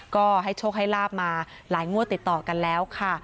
ก็ให้โชคให้ลาบมาหลายงวดติดต่อกันแล้วค่ะ